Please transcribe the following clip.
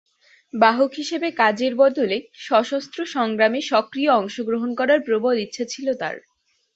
বাহক হিসেবে কাজের বদলে সশস্ত্র সংগ্রামে সক্রিয় অংশগ্রহণ করার প্রবল ইচ্ছা ছিল তার।